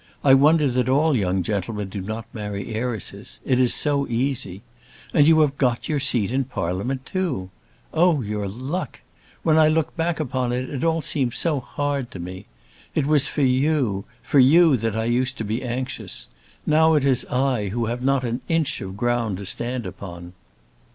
I wonder that all young gentlemen do not marry heiresses; it is so easy. And you have got your seat in Parliament too! Oh, your luck! When I look back upon it all it seems so hard to me! It was for you, for you that I used to be anxious. Now it is I who have not an inch of ground to stand upon."